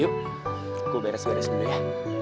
yuk gue beres beres dulu ya